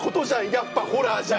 やっぱホラーじゃん！